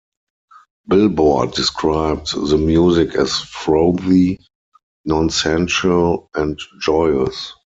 "Billboard" described the music as frothy, nonsensical and joyous.